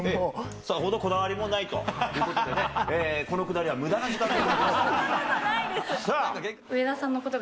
さほどこだわりもないということでね、このくだりはむだな時間ということで。